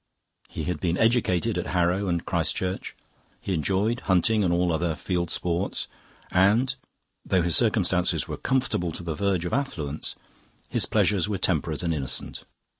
He had been educated at Harrow and Christ Church, he enjoyed hunting and all other field sports, and, though his circumstances were comfortable to the verge of affluence, his pleasures were temperate and innocent.